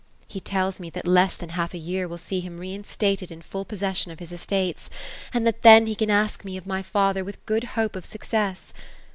He tells me that less than half a year will see him reinstated in full possession of his estates, and that then he can ask me of my father with good hope of success.